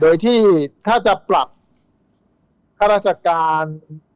โดยที่ถ้าจะปรับข้าราชการ